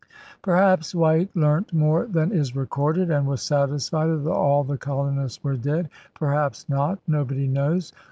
THE VISION OF THE WEST 215 Perhaps White learnt more than is recorded and was satisfied that all the colonists were dead. Perhaps not. Nobody knows.